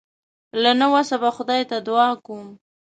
له نه وسه به خدای ته دعا کوم.